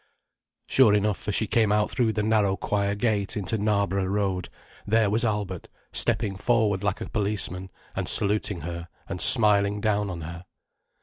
Sure enough, as she came out through the narrow choir gate into Knarborough Road, there was Albert stepping forward like a policeman, and saluting her and smiling down on her.